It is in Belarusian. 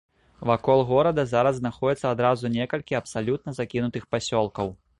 Вакол горада зараз знаходзіцца адразу некалькі абсалютна закінутых пасёлкаў.